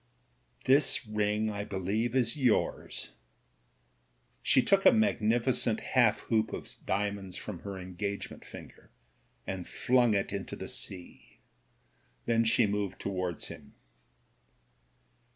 "This ring, I believe, is yours/' She took a magnificent half hoop of diamonds from her engagement finger and flung it into the sea. Then she moved towards him.